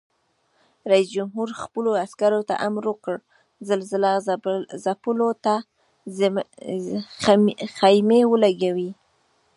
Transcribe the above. رئیس جمهور خپلو عسکرو ته امر وکړ؛ زلزله ځپلو ته خېمې ولګوئ!